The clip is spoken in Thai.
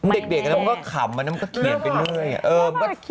เด็กก่อนนั้นก็ขาดเรื่องอะก็เขียนไป